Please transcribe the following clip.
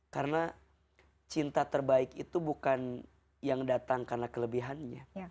karena cinta terbaik itu bukan yang datang karena kelebihannya